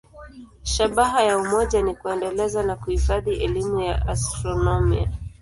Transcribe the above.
Shabaha ya umoja ni kuendeleza na kuhifadhi elimu ya astronomia.